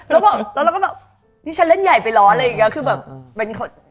แล้วเราก็แบบนี่ฉันเล่นใหญ่ไปร้อนอะไรอย่างนี้